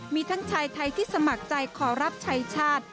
มีทั้งชายไทยที่สมัครใจขอรับชายชาติ